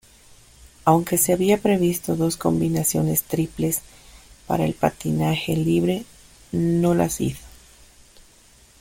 Aunque se había previsto dos combinaciones triples para el patinaje libre, no las hizo.